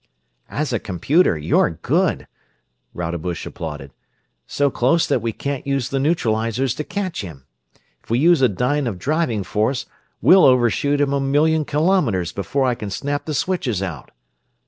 "As a computer you're good," Rodebush applauded. "So close that we can't use the neutralizers to catch him. If we use a dyne of driving force we'll overshoot him a million kilometers before I can snap the switches out."